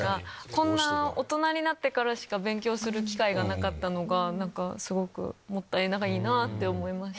こんな大人になってからしか勉強する機会がなかったのがすごくもったいないなって思いました。